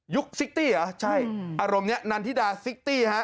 ซิกตี้เหรอใช่อารมณ์นี้นันทิดาซิตี้ฮะ